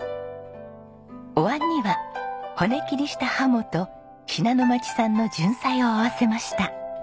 お椀には骨切りした鱧と信濃町産のじゅんさいを合わせました。